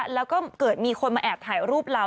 แล้วก็เกิดมีคนมาแอบถ่ายรูปเรา